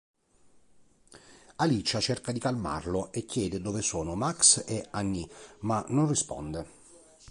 Alicia cerca di calmarlo e chiede dove sono Max e Annie, ma non risponde.